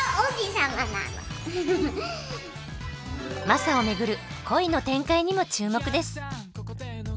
マサを巡る恋の展開にも注目です。